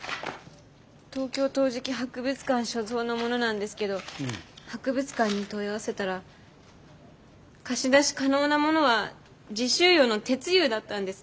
東京陶磁器博物館所蔵のものなんですけど博物館に問い合わせたら貸し出し可能なものは磁州窯の鉄釉だったんです。